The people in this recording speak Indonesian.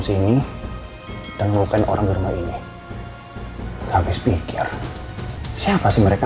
sini dan bukan orang rumah ini habis pikir siapa sih mereka